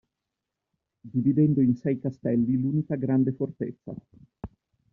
Dividendo in sei castelli l'unica grande fortezza.